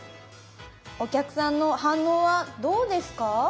お客さんの反応はどうですか？